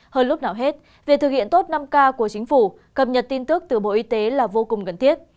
hơn lúc nào hết việc thực hiện tốt năm k của chính phủ cập nhật tin tức từ bộ y tế là vô cùng cần thiết